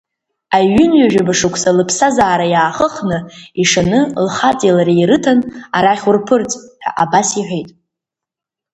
Аҩынҩажәаба сықәса лыԥсҭазаара иаахыхны, ишаны лхаҵеи лареи ирыҭан, арахь урԥырҵ, ҳа абас иҳәит.